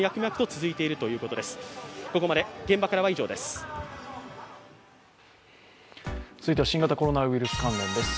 続いては新型コロナウイルス関連です。